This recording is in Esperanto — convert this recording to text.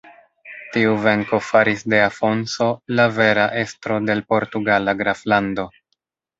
Tiu venko faris de Afonso la vera estro de l' portugala graflando.